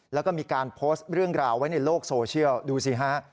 แล้วก็มีการโพสต์เรื่องราวไว้ในโลกโซเชียลดูสิฮะ